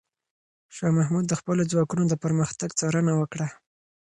شاه محمود د خپلو ځواکونو د پرمختګ څارنه وکړه.